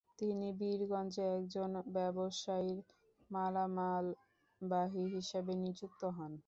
তিনি বীরগঞ্জে একজন ব্যবসায়ীর মালামালবাহী হিসেবে নিযুক্ত হন।